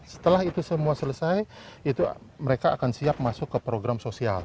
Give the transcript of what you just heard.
setelah itu semua selesai itu mereka akan siap masuk ke program sosial